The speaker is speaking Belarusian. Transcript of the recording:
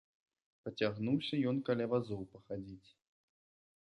Пацягнуўся ён каля вазоў пахадзіць.